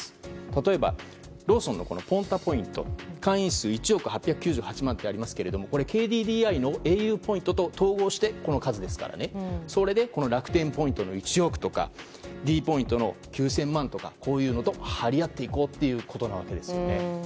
例えば、ローソンのＰｏｎｔａポイント会員数は１億８９８万とありますがこれはＫＤＤＩのａｕポイントと統合して、この数ですから。それで楽天ポイントの１億とかｄポイントの９０００万とかこういうのと張り合っていこうということなわけです。